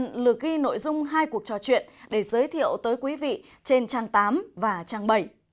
nhân dân lừa ghi nội dung hai cuộc trò chuyện để giới thiệu tới quý vị trên trang tám và trang bảy